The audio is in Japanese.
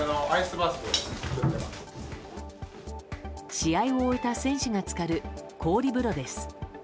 試合を終えた選手が浸かる氷風呂です。